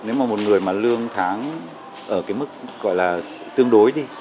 nếu mà một người mà lương tháng ở mức tương đối đi